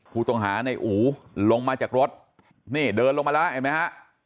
ผู้ต้องหาในอู๋ลงมาจากรถนี่เดินลงมาแล้วเห็นไหมฮะ